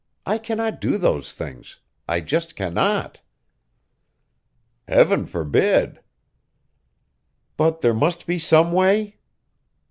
I cannot do those things, I just cannot!" "Heaven forbid!" "But there must be some way?"